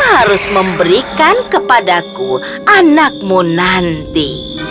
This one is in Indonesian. harus memberikan kepadaku anakmu nanti